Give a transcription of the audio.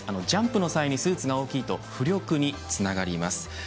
ジャンプの際にスーツが大きいと浮力につながります。